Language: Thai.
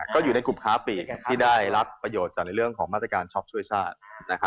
ก็อยู่ในกลุ่มค้าปีกที่ได้รับประโยชน์จากในเรื่องของมาตรการช็อปช่วยชาติ